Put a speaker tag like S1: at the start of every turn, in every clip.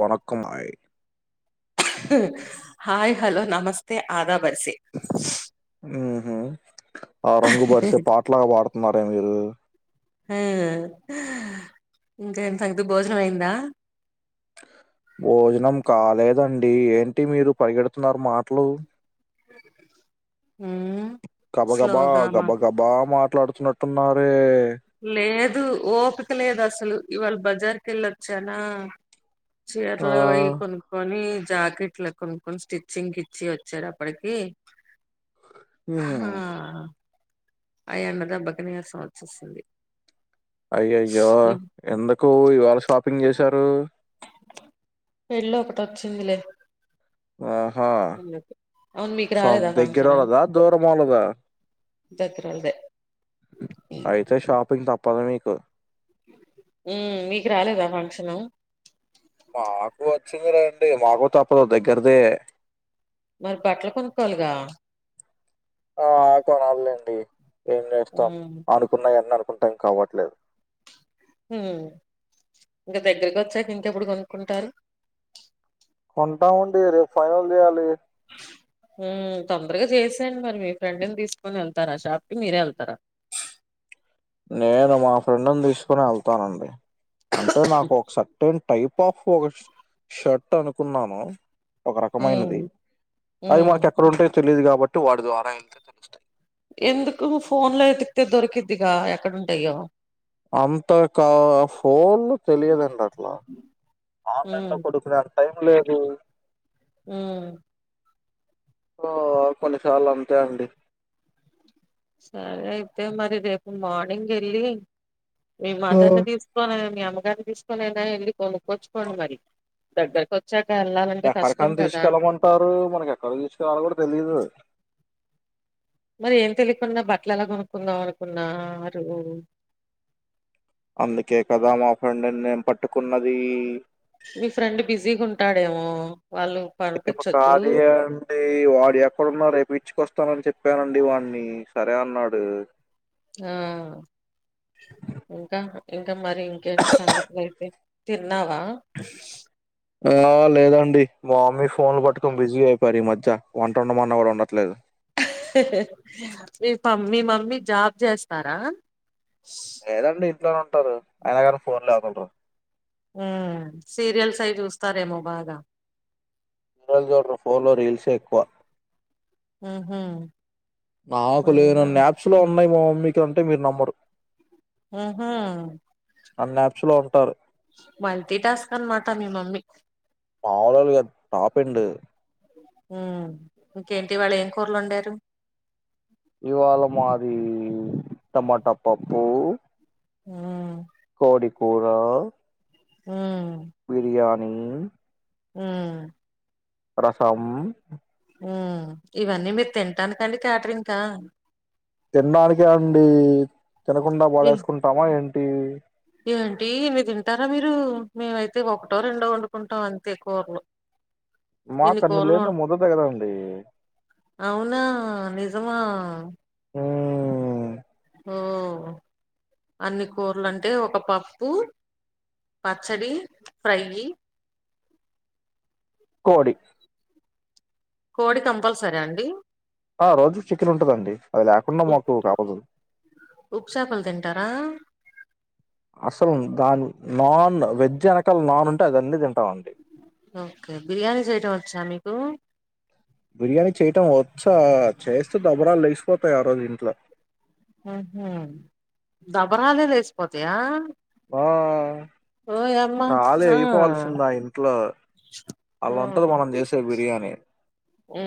S1: వణకం ఆయ్
S2: hi hello నమస్తే అదా బర్స్
S1: హ్మ్ హు ఆ రంగు బరిసే పాటలాగా పాడుతున్నారు ఏం మీరు
S2: హ ఇంకేం సంగతి భోజనం అయిందా
S1: భోజనం కాలేదండి ఏంటి మీరు పరిగెడుతున్నారు మాటలు
S2: ఉమ్
S1: కబ కబా
S2: స్లోగా మా
S1: గబ గబా మా మాట్లాడుతున్నట్టున్నారే
S2: లేదు అ ఓపిక లేదు అసలు ఇవాళ బజార్ కి వెళ్ళొచ్చానా
S1: ఆ
S2: చీరలు అవి కొనుక్కొని జాకెట్ లు కొనుక్కని స్టిచ్చింగ్ ఇచ్చి వచ్చే అప్పటికి
S1: ఊహు
S2: హా అ ఎండ దెబ్బకు నీరసం వచ్చేసింది
S1: అయ్య అయ్యో ఎందుకు ఇవాళ షాపింగ్ చేసి వచ్చారు
S2: పెళ్లి ఒకటి వచ్చిందిలే
S1: ఆ ఆ
S2: అవును మీకు
S1: సో
S2: రాలేదా
S1: దగ్గర వొల్లద దూరం వొల్లద
S2: దగ్గరోలదే
S1: అయితే షాపింగ్ త పదు మీకు
S2: ఉ మీకు రాలేదా ఫంక్షను
S1: మాకు వ మకు వచ్చింది లేండి మాకు తప్పదు దగ్గరదే
S2: మరి బట్టలు కొనుక్కోవాలిగా
S1: ఆ కొనాలండి ఏం చేస్తాం
S2: హ్మ్
S1: అనుకున్నా వాన్ని కొంటం కావట్లేదు
S2: హు ఇంకా దగ్గరకి వచ్చాక ఇంకెప్పుడు కొనుక్కుంటారు.
S1: కొంటామండి రేపు ఫైనల్ చేయాలి
S2: హు తొందరగా చేసాయండి మరి మీ ఫ్రెండ్ని తీసుకొని వెళ్తారా షాప్ కి మీరే వెళ్తారా
S1: నేను మా ఫ్రెండ్ని తీసుకుని వెళ్తానండి అంటే నాకు ఒక షర్ట్ టైప్ ఆఫ్ ఒక షర్ట్ అనుకున్నాను ఒక
S2: హ్మ్
S1: రకమైనది అది
S2: హ్మ్
S1: మనకు ఎక్కడంటే తెలియదు కాబట్టి వాడి ద్వారా వెళ్తే తెలుస్తాయి
S2: ఎందుకు ఫోన్ లో ఎతికితే దొరికిద్దిగా ఎక్కడంటాయో
S1: అంతగా ఫోన్లు తెలియదండి అట్లా ఆన్లైన్ లో
S2: హ్మ్
S1: కొడుకునేంత టైం లేదు
S2: హు
S1: ఓ కొన్నిసార్లు అంతే అండి
S2: సరే అయితే మరి రేపు మార్నింగ్ ఎళ్ళి మీ
S1: సో,
S2: మదర్ ని తీసుకొని మీ అమ్మగారిని తీసుకొని అయినా ఎళ్ళి కొనుక్కోచ్చుకోండి మరి దగ్గరకు వచ్చా
S1: ఎక్కడికని తీసుకెళ్ళమంటారు మనకి ఎక్కడ తీసుకెళ్ళాలి కూడా తెలీదు
S2: మరి ఏం తెలియకున్నా బట్టలు ఎలా కొనుక్కుందాం అనుకున్నారు
S1: అందుకే కదా మా ఫ్రెండ్ ను నేను పట్టుకున్నది
S2: మీ ఫ్రెండ్ బిజీగా ఉంటాడేమో వాళ్ళు
S1: రేపు
S2: పంపించొద్దు
S1: కాదు అండి వాడు ఎక్కడున్నా రేపు ఇడ్చుకొ వస్తానని చెప్పానండి వాణ్ని సరే అన్నాడు
S2: ఆ ఇంకా ఇంకా మరి ఇంకెంటి సంగతులయితే తిన్నావా
S1: ఆ! లేదండి. మా మమ్మీ ఫోన్లు పట్టుకొని బిజీ అయిపోయారు ఈ మధ్య వంటండ మన్న ఎవరు అండట్లేదు
S2: మీ పమ్ మీ మమ్మీ జాబ్ చేస్తారా
S1: లేదండి ఇంట్లోనే ఉంటారు అయినా కానీ ఫోన్లగావ్
S2: ఉం సీరియల్స్ అయి చూస్తారేమో బాగా
S1: [unintelligible] చోడరు ఫోన్లో రీల్సే ఎక్కువ
S2: ఆహా
S1: నాకు లేనన్ని యాప్స్ లో ఉన్నాయి మ మ మ్మి కి అంటే మీరు నమ్మరు
S2: ఆహా
S1: అన్ని యాప్స్ లో ఉంటారు
S2: మల్టీ టాస్క్ అనమాట మీ మమ్మీ
S1: మావలుగా టాపండి
S2: ఉం ఇంకేంటి ఇవాళ ఏం కూరలు వండారు
S1: ఇవాళ మాది టమాటా పప్పు
S2: ఆ
S1: కోడికూరా
S2: ఉమ్
S1: బిరియా
S2: ఉమ్
S1: రసం
S2: ఉం ఇవన్నీ మీరు తింటానకండి క్యాటరింగ్కా
S1: తినడానికే అండి తినకుండా
S2: ఏ
S1: బాడేసుకుంటామా ఏం
S2: ఏంటి ఇన్ని తింటారా మీరు మేమైతే ఒకటో రెండో వండుకుంటాం అంతే కూరలు ఇన్ని
S1: మాకు అన్ని
S2: కోరలు
S1: లేనిదే ముద్ద దిగదండి
S2: అవునా నిజమా ఆ
S1: ఊ
S2: ఓ అన్ని కూరలు అంటే ఒక పప్పు పచ్చడి ఫ్రై
S1: కోడి
S2: కోడి కంపల్సరా అండి
S1: ఆ రోజు చికెన్ ఉంటుదండి అది లేకుండా
S2: ఉప్
S1: మాకు అవదు
S2: ఉప్పు చేపలు తింటారా
S1: అసలు దాని నాన్ వెజ్ వెనకాల నాన్ ఉంటే అది అన్నీ తింటాం అండి
S2: ఓకే బిర్యానీ చేయటం వచ్చా మీకు
S1: బిర్యానీ చేయటం వచ్చా చేస్తే దబరాలు లేచి పోతాయ్ ఆ రోజు ఇంట్లో
S2: ఆహా దబరాలే లేసిపోతయా
S1: ఆ
S2: ఓయ్ అమ్మా
S1: ఖాళీ
S2: ఆ
S1: అయిపోవాల్సిందా ఇంట్లో
S2: ఆ
S1: అలా ఉంటది మనం చేసే బిర్యానీ
S2: ఉ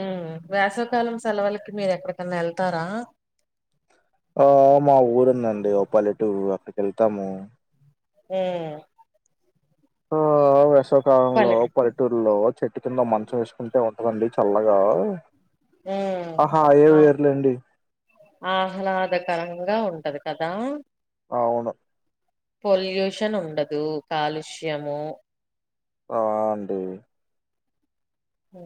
S2: వేసవ కాలం సెలవుళకి మీరు ఎక్కడికన్నా ఎళ్తారా
S1: ఆ మా ఊరుందండి ఓ పల్లెటూరు అక్కడి వెళ్తాము
S2: ఊ
S1: ఆ అవు కాలంలో
S2: పల్లెటూ
S1: పల్లెటూరులో చెట్టు కింద మంచం వేసుకుంటే ఉం
S2: ఊ
S1: ఆహా ఏ
S2: ఆ
S1: వేర్లేండి
S2: ఆహ్లాదకరంగా ఉంటది కదా
S1: అవును
S2: పొల్యూషన్ ఉండదు కాలుష్యము
S1: ఆ అండి
S2: మ్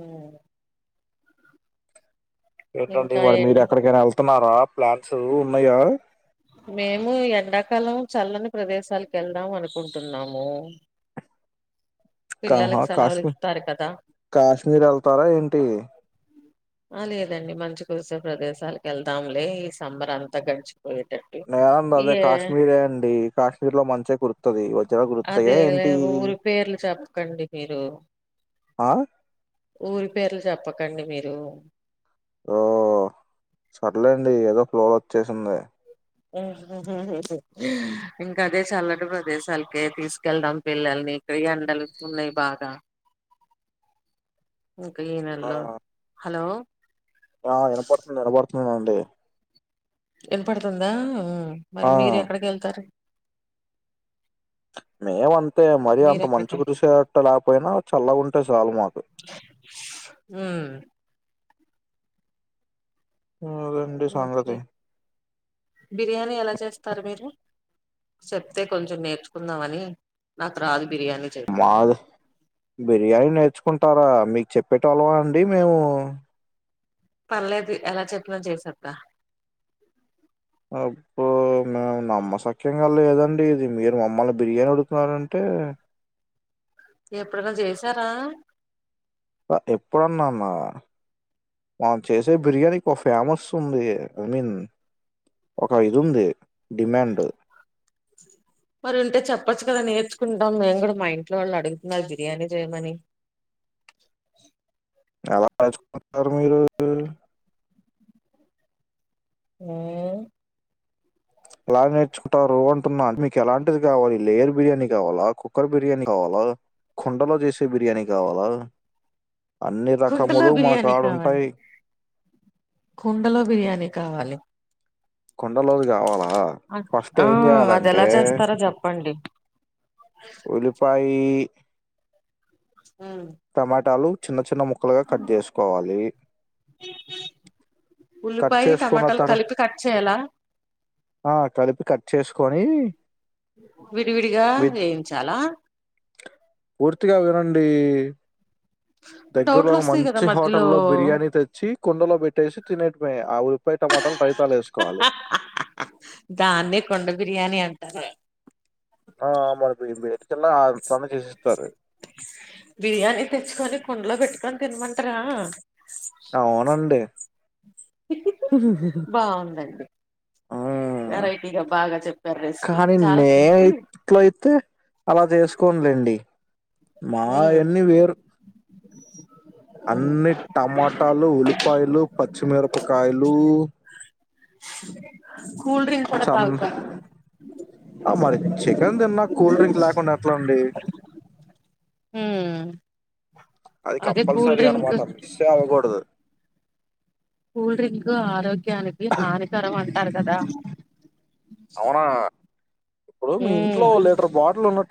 S1: ఏంటండీ
S2: ఇంకా
S1: మరి మీరు
S2: ఏంటి
S1: ఎక్కడికైనా వెళ్ కొన్నారా ప్లాట్స్ ఉన్నాయా
S2: మేము ఎండాకాలం చల్లని ప్రదేశాలకు వెళ్దాం అనుకుంటున్నాము
S1: కాహా
S2: పిల్లలకి సెలవులు
S1: కాశ్మీ
S2: ఇస్తారు కదా
S1: కాశ్మీర్ వెళ్తారా ఏంటి
S2: ఆ లేదండి మంచి కురిసే ప్రదేశాలకు వెళ్దాంలే ఈ సమ్మర్ అంతా గడిచిపోయేటట్టు
S1: నేనంద అదే
S2: ఏ
S1: కాశ్మీరే అండి కాశ్మీర్ లో మంచిే కుర్తు వస్తది
S2: అదే ఊరు పేర్లు చెప్పకండి మీరు
S1: ఆ
S2: ఊరి పేర్లు చెప్పకండి మీరు
S1: ఓ సర్లేండి ఏదో ఫ్లోలో వచ్చేసింది
S2: ఇంకా అదే చల్లటి ప్రదేశాలకే తీసుకెళ్దాం పిల్లల్ని ఇక ఎండలు ఎక్కువ ఉన్నాయి బాగా ఇంకా ఈ
S1: ఆ
S2: నెలలో హలో
S1: ఆ వినపడుతుంది వినపడుతుంది అండి
S2: వినపడుతుందా ఆ మరి
S1: ఆ
S2: మీరు ఎక్కడికి వెళ్తారు
S1: మేమంతే మరి
S2: మీరు
S1: అంత మంచి
S2: ఎక్కడికి
S1: కురిసేట్ట లేకపోయినా చల్లగా ఉంటే చాలు మాకు అదండి
S2: ఓకే
S1: సంగతి
S2: బిర్యానీ ఎలా చేస్తారు మీరు చెప్తే కొంచెం నేర్చుకుందామని నాకు రాదు బిర్యానీ చేయటం
S1: మాది బిర్యానీ నేర్చుకు ఉంటారా మీకు చెప్పేటొల్లమ అండి మేము
S2: పర్లేదు ఎలా చెప్పిన చేసేత్త
S1: అబ్బొ నాక్ నమ్మసక్యంగా లేదండి ఇది మీరు మమ్మల్ని బిర్యానీ ఉడుగుతున్నారంటే
S2: ఎప్పుడన్నా చేసారా
S1: ఎప్పుడు అన్నాన మనం చేసే బిర్యానీకి ఒక ఫేమస్ ఉంది ఐ మీన్ ఒక ఇది ఉంది డిమాండ్
S2: మరి ఉంటే చెప్పచ్చు కదా నేర్చుకుంటాం మేము కూడా మా ఇంట్లో వాళ్ళు అడుగుతున్నారు బిర్యానీ చేయమని
S1: ఎలా చేసుకుంటారు మీరు
S2: ఆ
S1: అలా నేర్చుకుంటారు రు అంటున్నా మీకు ఎలాంటిది కావాలి లేయర్ బిర్యానీ కావాలా కుక్కర్ బిర్యానీ కావాలా కుండలో చేసే బిర్యానీ కావాలా అన్ని
S2: కుండలో
S1: రకములు మా
S2: బిర్యానీ కావాలి
S1: కాడుంటాయి
S2: కుండలో బిర్యానీ కావాలి
S1: కుండ లోదికావాలా ఫస్ట్
S2: ఆ
S1: ఏం
S2: అది
S1: చేయాలంటే
S2: ఎలా చేస్తారో చెప్పండి
S1: ఉల్లిపాయి టమాటా లు చిన్న ముక్కలుగా కట్ చేసుకోవాలి కట్
S2: ఉల్లిపాయ
S1: చేసుకున్న
S2: టమాటాలు
S1: తరు
S2: కలిపి కట్ చేయాలా
S1: ఆ కలిపి కట్ చేసు కొనీ
S2: విడివిడిగా వేయించాలా
S1: పూర్తిగా వినండి
S2: డౌట్లు
S1: దగ్గరలోని
S2: వస్తాయి కదా
S1: మంచి
S2: మధ్యలో
S1: హోటల్లో బిర్యానీ తెచ్చి కుండలో పెట్టేసి తినేకిపొయా ఆలు పెయట మాట రై [unintelligible]
S2: దాన్ని కొండ బిర్యాని అంటార
S1: ఆ మరి మీరు చెయ్యిర్రి
S2: బిర్యానీ తెచ్చుకొని కుండలో పెట్టుకొని తన్మంటార
S1: ఆవునండి
S2: బాగుందండి
S1: ఆ
S2: వెరైటీగా బాగా చెప్పారు రెసిపీ
S1: కానీ
S2: చాలా
S1: నేను
S2: సింపుల్
S1: ఇట్ల అయితే అలా చేసుకోనులేండి మా వన్ని వేరు అన్నీ టమటాలు ఉల్లి పాయలు పచ్చిమిరపకాయలు
S2: కూల్ డ్రింక్ కూడా
S1: చన్
S2: తాగుతారు
S1: మరి చికెన్ తిన్నాక్ కూల్ డ్రింక్ ల్యాకుండ ఎట్లండి?
S2: హు
S1: అది కంపల్సరి అనమాట. మిస్సే అవకూడదు.
S2: కూల్ డ్రింకు ఆరోగ్ గ్యానికి హానికరం అంటారు కదా.
S1: అవునా?
S2: ఊ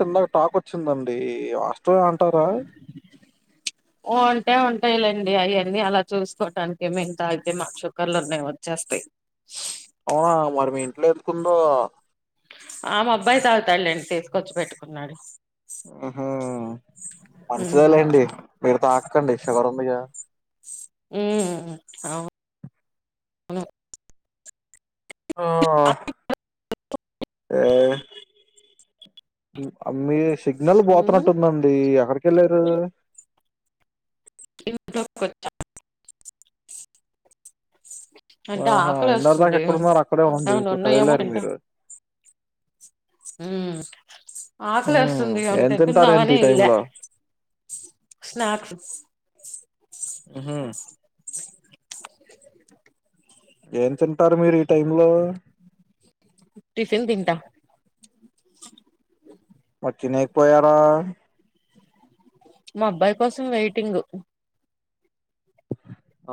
S1: టుందని టాక్ వచ్చిందండి. ఈ వాస్తవమే అంటారా?
S2: అంటే ఉంటాయిలేండి అవి అన్నీ అలా చూసుకోవటానికె మేము తాగితే మాకు షుక్కర్ లున్నై వచ్చేస్తాయి.
S1: కుందొ
S2: ఆ మా అబ్బాయి తాగుతాడులేండి తీసుకొచ్చి పెట్టుకున్నాడు.
S1: ఉహు అంతే
S2: ఉమ్
S1: లేండి మీరు తాక్కండి షుగర్ ఉన్ దిగా
S2: ఉం అవును
S1: ఆ ఏ మీ సిగ్నల్
S2: ఉమ్
S1: పోతున్నట్టుందండి ఎక్కడికెల్లార్ ఆ
S2: ఇంట్లో కొచ్చ అంటే
S1: ఆహా
S2: ఆకలి
S1: ఇందర్ దాకా
S2: వేస్తుంది
S1: ఎక్కడ ఉన్నారు అక్కడే ఉండి
S2: ఏమన్నా
S1: ఇప్పుడు
S2: ఉన్నాయేమో
S1: కదిలారు మీరు
S2: ఊ
S1: ఉమ్
S2: ఆకలేస్తుంది ఏవన
S1: ఏం
S2: పె
S1: తింటారేంటి
S2: తిందదామని
S1: ఈ టైమ్
S2: ఎల్లా
S1: లో
S2: స్నాక్స్
S1: ఉహు ఏం తింటారు మీరు ఈ టైమ్ లో
S2: టిఫెన్ తింటా. అ
S1: తినేకి పోయారా
S2: మా అబ్బాయి కోసం వెయిటింగ్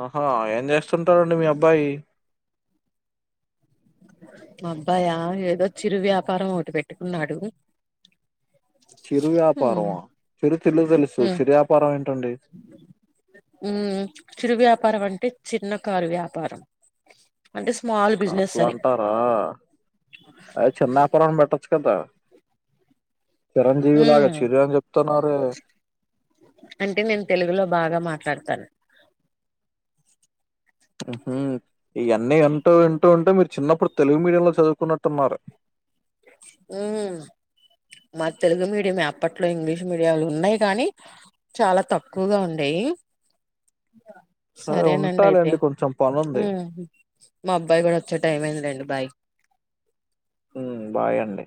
S1: ఆహా ఏం చేస్తుంటారండి మీ అబ్బాయి?
S2: అబ్బాయా ఏదో చిరు వ్యాపారం ఒకటి పెట్టుకున్నాడు.
S1: చిరు
S2: హ్మ్
S1: వ్యాపారమ చిరు తిండ్లు తెలుసు
S2: హ్మ్
S1: చిరు వ్యాపారం ఏంటండి?
S2: హ్మ్ చిరు వ్యాపారం అంటే చిన్న కారు వ్యాపారం. అంటే స్మాల్ బిజినెస్ అని
S1: ఆ అ చిన్యాపారం బెట్ట తెచ్చుకుంట చిరంజీవిలాగా
S2: హ్మ్
S1: చిరు అని చెప్తున్నారే.
S2: సరితన
S1: ఉహు ఇవన్నీ ఎంటూ వింటూ ఉంటె మీరు చిన్నప్పుడు తెలుగు మీడియం లో చదువుకున్నట్టున్నారు.
S2: ఊ మా తెలుగు మీడియంఎ అప్పట్లో ఇంగ్లీష్ మీడియాలు ఉన్నాయి కానీ చాలా తక్కువగా ఉండేయి
S1: సరే
S2: సరేనండి అయితే
S1: ఉంటాలేండి కొంచెం
S2: ఊ
S1: పనుంది
S2: మా అబ్బాయి కూడా వచ్చే టైం అయిందండి. బాయ్
S1: మ్మ్ బాయ్ అండి